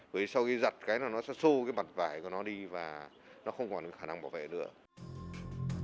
vì sau khi giặt cái nó sẽ xô cái mặt vải của nó đi và nó không còn cái khả năng bảo vệ được